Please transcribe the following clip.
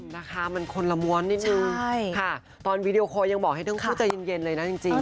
นะคะมันคนละมวลนิดนึงค่ะตอนวิดีโอคอยังบอกให้เท่านั้นคุณคุณจะเย็นเลยนะจริง